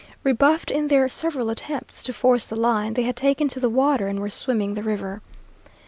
Rebuffed in their several attempts to force the line, they had taken to the water and were swimming the river.